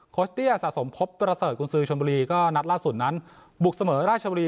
โค้ชเตี้ยสะสมพบเบราเสิร์ตกุลซื้อชมบุรีก็นัดล่าสุดนั้นบุกเสมอราชชมบุรี